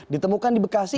ditemukan di bekasi